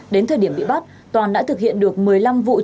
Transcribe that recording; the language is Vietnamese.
đến thời điểm bị bắt toàn đã thực hiện được một mươi năm vụ